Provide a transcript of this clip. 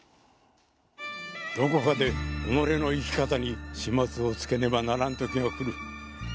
どこかで己の生き方に始末をつけねばならん時が来る。